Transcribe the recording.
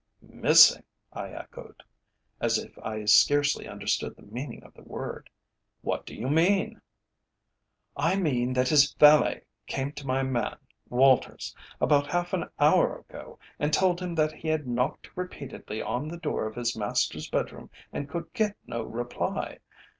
"Missing?" I echoed, as if I scarcely understood the meaning of the word. "What do you mean?" "I mean that his valet came to my man, Walters, about half an hour ago, and told him that he had knocked repeatedly on the door of his master's bedroom and could get no reply.